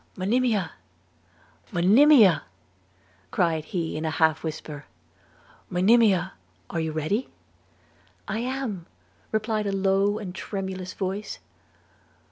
'Monimia! Monimia!' cried he in a half whisper, 'Monimia, are you ready?' 'I am,' replied a low and tremulous voice.